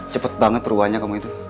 cepet banget perubahannya kamu itu